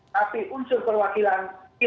tapi unsur perwakilan